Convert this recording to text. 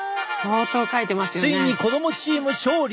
ついに子どもチーム勝利！